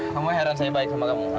kamu heran saya baik sama kamu